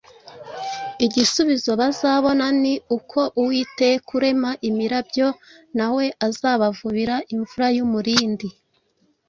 Igisubizo bazabona ni uko :“Uwiteka urema imirabyo na we azabavubira imvura y’umurindi.